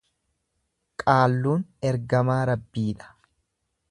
Qaalluun ergamaa Rabbiidha.